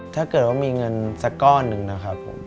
ถ้าเกิดว่ามีเงินสักก้อนหนึ่งนะครับผม